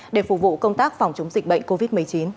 để phục vụ công tác phòng chống dịch bệnh covid một mươi chín